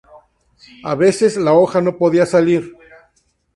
A veces, la hoja no podía salir.